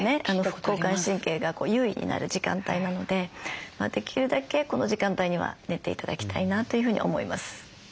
副交感神経が優位になる時間帯なのでできるだけこの時間帯には寝て頂きたいなというふうに思います。